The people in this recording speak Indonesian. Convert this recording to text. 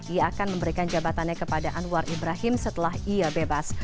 ia akan memberikan jabatannya kepada anwar ibrahim setelah ia bebas